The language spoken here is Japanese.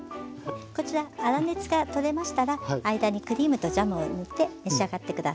こちら粗熱が取れましたら間にクリームとジャムを塗って召し上がって下さい。